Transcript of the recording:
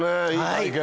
はい。